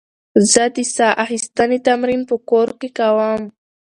زه د ساه اخیستنې تمرین په کور کې کوم.